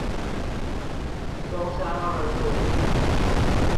中山二路